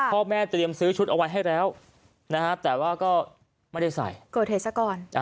พ่อแม่เตรียมซื้อชุดเอาไว้ให้แล้วนะฮะแต่ว่าก็ไม่ได้ใส่เกิดเหตุซะก่อน